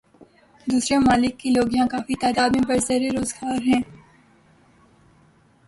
دوسرے ممالک کے لوگ یہاں کافی تعداد میں برسر روزگار ہیں